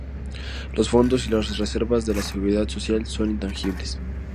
Los fondos y las reservas de la seguridad social son intangibles.